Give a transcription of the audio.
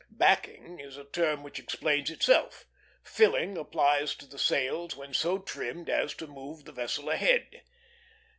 Backing is a term which explains itself; filling applies to the sails when so trimmed as to move the vessel ahead.